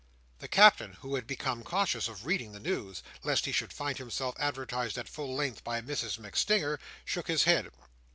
The Captain, who had become cautious of reading the news, lest he should find himself advertised at full length by Mrs MacStinger, shook his head.